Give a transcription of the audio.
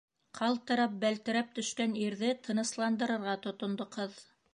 Ҡалтырап, бәлтерәп төшкән ирҙе тынысланырға тотондо ҡыҙ.